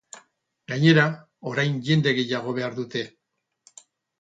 Gainera, orain jende gehiago behar dute.